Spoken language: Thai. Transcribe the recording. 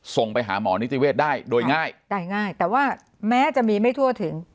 ส่งไปหาหมอนิติเวศได้โดยง่ายได้ง่ายแต่ว่าแม้จะมีไม่ทั่วถึง